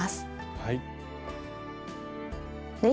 はい。